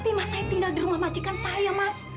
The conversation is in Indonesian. tapi mas saya tinggal di rumah majikan saya mas